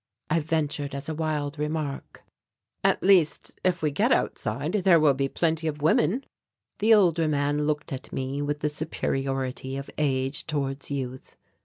I ventured as a wild remark: "At least, if we get outside there will be plenty of women." The older man looked at me with the superiority of age towards youth.